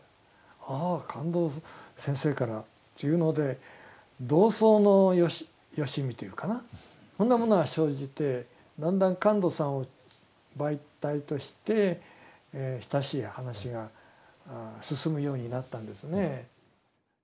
「ああカンドウ先生から」というので同窓のよしみというかなそんなものが生じてだんだんカンドウさんを媒体として親しい話が進むようになったんですね。